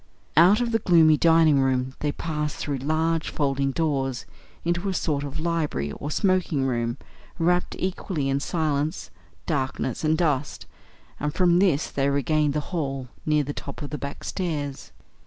Out of the gloomy dining room they passed through large folding doors into a sort of library or smoking room, wrapt equally in silence, darkness, and dust; and from this they regained the hall near the top of the back stairs.